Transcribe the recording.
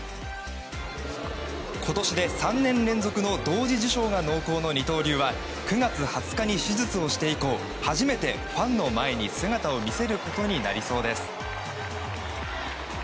今年で３年連続の同時受賞が濃厚の二刀流は９月２０日に手術をして以降初めてファンの前に姿を見せることになりそうです。